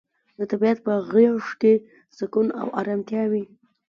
د طبیعت په غیږ کې سکون او ارامتیا وي.